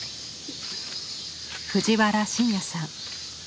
藤原新也さん。